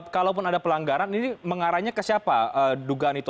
kalaupun ada pelanggaran ini mengarahnya ke siapa dugaan itu